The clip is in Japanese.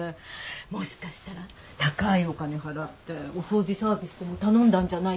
もしかしたら高いお金払ってお掃除サービスでも頼んだんじゃないかって。